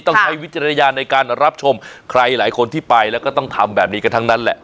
ใช้วิจารณญาณในการรับชมใครหลายคนที่ไปแล้วก็ต้องทำแบบนี้กันทั้งนั้นแหละ